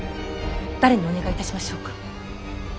誰にお願いいたしましょうか。